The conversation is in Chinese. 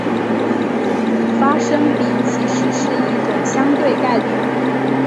发生比其实是一种相对概率。